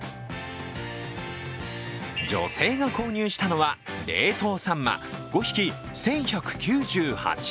女性が購入したのは冷凍さんま５匹１１９８円。